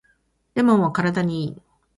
レモンは体にいい